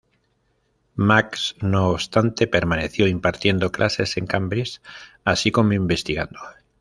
Max, no obstante, permaneció impartiendo clases en Cambridge, así como investigando.